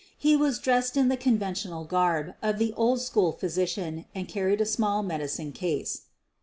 He was dressed in the conventional garb of the old school physician and carried a small medicine case.